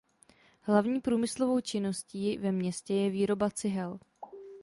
Hlavní průmyslovou činností ve městě je výroba cihel.